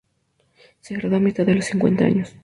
Se graduó a mitad de los años cincuenta.